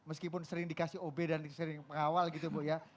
meskipun sering dikasih ob dan dikasih pengawal gitu ya